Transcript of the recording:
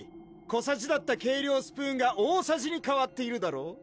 小さじだった計量スプーンが大さじにかわっているだろう？